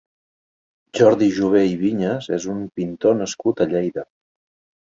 Jordi Jové i Viñes és un pintor nascut a Lleida.